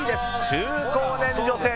中高年女性。